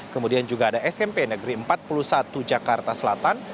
kemudian juga ada smp negeri empat puluh satu jakarta selatan